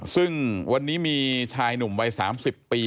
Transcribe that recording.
ซึ่งวันนี้มีชายหนุ่มวัย๓๐ปี